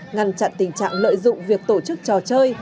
ngăn chặn tình trạng lợi dụng việc tổ chức trò chơi